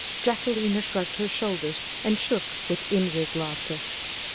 Jacquelina shrugged her shoulders, and shook with inward laughter.